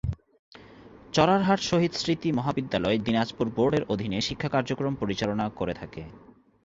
চড়ার হাট শহীদ স্মৃতি মহাবিদ্যালয় দিনাজপুর বোর্ড এর অধীনে শিক্ষা কার্যক্রম পরিচালনা করে থাকে।